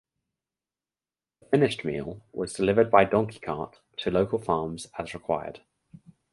The finished meal was delivered by donkey cart to local farms as required.